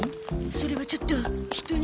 それはちょっと人には。